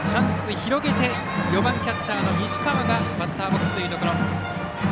広げて、４番キャッチャーの西川がバッターボックス。